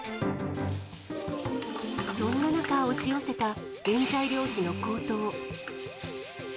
そんな中、押し寄せた原材料費の高騰。